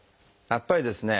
やっぱりですね